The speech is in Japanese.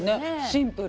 シンプル。